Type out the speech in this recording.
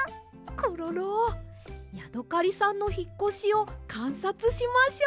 コロロヤドカリさんのひっこしをかんさつしましょう。